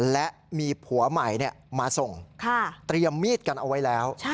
และมีผัวใหม่มาส่งเตรียมมีดกันเอาไว้แล้ว